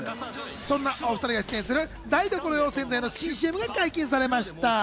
そんなお２人が出る台所用洗剤のＣＭが公開されました。